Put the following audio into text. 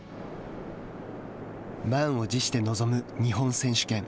満を持して臨む、日本選手権。